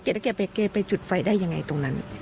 เกรดแกเป็นแกไปจุดไฟได้ยังไงตรงนั้น